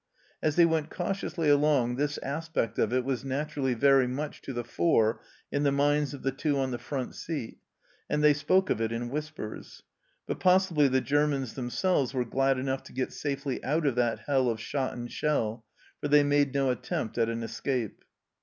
As they went cautiously along this aspect of it was naturally very much to the fore in the minds of the Two on the front seat, and they spoke of it in whispers ; but possibly the Germans themselves were glad enough to get safely out of that hell of shot and shell, for they made no attempt at an escape.